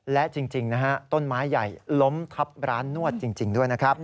และจริงนะฮะต้นไม้ใหญ่ล้มทับร้านนวดจริงด้วยนะครับ